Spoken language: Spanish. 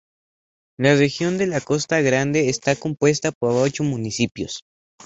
La región de la Costa Grande está compuesta por ocho municipios.